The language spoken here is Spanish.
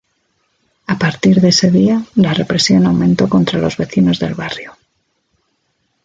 A partir de ese día, la represión aumentó contra los vecinos del barrio.